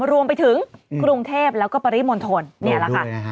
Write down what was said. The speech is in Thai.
รวมไปถึงกรุงเทพแล้วก็ปริมณฑลนี่แหละค่ะ